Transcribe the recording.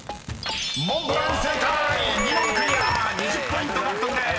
２０ポイント獲得です］